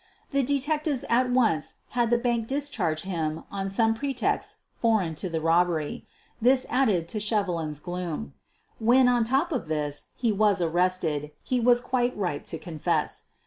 The detectives at once had the bank discharge him on some pretext foreign to the robbery. This added to Shevelin 's gloom. When, on top of this, he was arrested, he was quite ripe to confess.